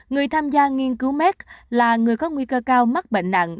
người tham gia nghiên cứu méc là người có nguy cơ cao mắc bệnh nặng